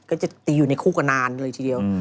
จะตีอยู่ในคู่กันนานเลยทีเดียว